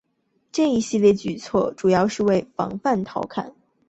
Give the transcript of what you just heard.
这一系列举措主要是为防范陶侃。